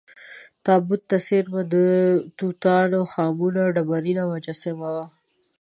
تابوت ته څېرمه د ټوټا ن خا مون ډبرینه مجسمه وه.